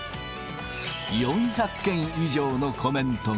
４００件以上のコメントが。